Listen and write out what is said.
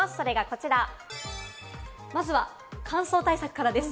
まずは乾燥対策からです。